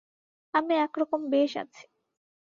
আমি এক রকম বেশ আছি।